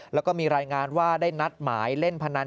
แล้วก็มีรายงานว่าได้นัดหมายเล่นพนัน